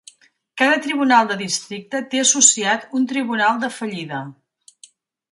Cada tribunal de districte té associat un tribunal de fallida.